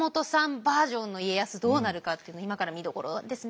バージョンの家康どうなるかっていうの今から見どころですね。